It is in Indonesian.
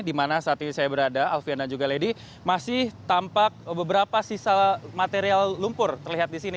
di mana saat ini saya berada alfian dan juga lady masih tampak beberapa sisa material lumpur terlihat di sini